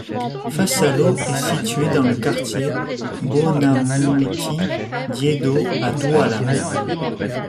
Face à l’eau est située dans le quartier Bonamouti-Deido à Douala.